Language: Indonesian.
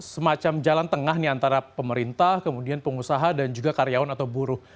semacam jalan tengah nih antara pemerintah kemudian pengusaha dan juga karyawan atau buruh